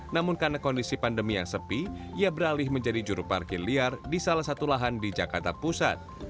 namun karena kondisi pandemi yang sepi ia beralih menjadi juru parkir liar di salah satu lahan di jakarta pusat